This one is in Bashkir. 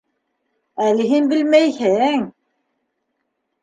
Әле һин белмәйһең!